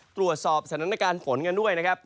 ตรวจสอบสถานการณ์ฝนกันด้วยนะครับ